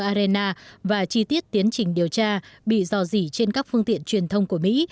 ukraine và chi tiết tiến trình điều tra bị dò dỉ trên các phương tiện truyền thông của mỹ